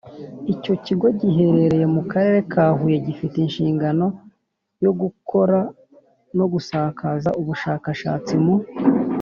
Icyo kigo giherereye mu Karere ka Huye gifite inshingano yo gukora no gusakaza ubushakashatsi mu